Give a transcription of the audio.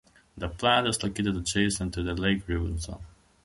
The plant is located adjacent to the Lake Robinson.